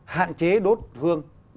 hạn chế đốt hương